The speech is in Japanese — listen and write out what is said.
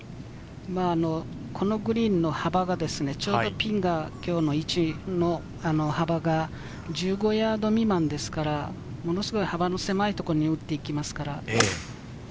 このグリーンの幅がちょうどピンが今日の位置の幅が１５ヤード未満ですから、ものすごい幅の狭い所に打っていきます。